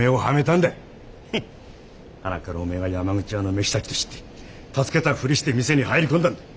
端からお前が山口屋の飯炊きと知って助けたふりして店に入り込んだんだ。